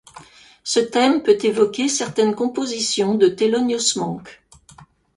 Ce thème peut évoquer certaines compositions de Thelonious Monk.